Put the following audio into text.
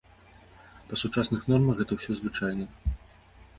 Па сучасных нормах гэта ўсё звычайнае.